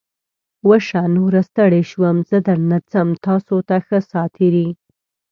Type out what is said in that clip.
وشه. نوره ستړی شوم. زه درنه څم. تاسو ته ښه ساعتېری!